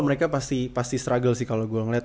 mereka pasti struggle sih kalau gue ngeliat